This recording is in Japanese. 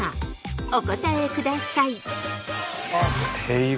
お答えください。